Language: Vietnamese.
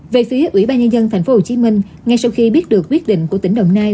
về phía ủy ban nhân dân tp hcm ngay sau khi biết được quyết định của tỉnh đồng nai